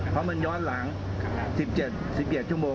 พอมันย้อนหลัง๑๗ชั่วโมง